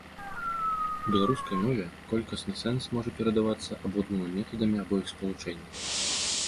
У беларускай мове колькасны сэнс можа перадавацца абодвума метадамі або іх спалучэннем.